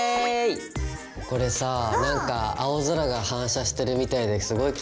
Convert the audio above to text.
これさなんか青空が反射してるみたいですごいきれいじゃない？